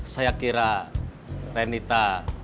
saya kira renita